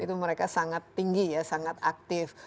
itu mereka sangat tinggi ya sangat aktif